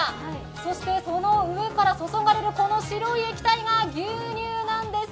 そして、その上から注がれる白い液体が牛乳なんです。